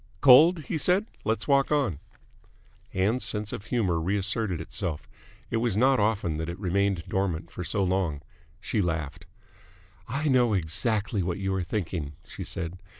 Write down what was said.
"Cold?" he said. "Let's walk on." Ann's sense of humour reasserted itself. It was not often that it remained dormant for so long. She laughed. "I know exactly what you are thinking," she said.